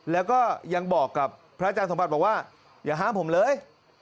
แล้วก็ยังบอกกับพระอาจารย์สมบัติบอกว่าอย่าห้ามผมเลย